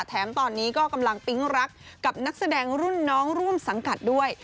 แถมตอนนี้ก็กำลังปิ๊งรักกับนักแสดงรุ่นน้องร่วมสังกัดด้วย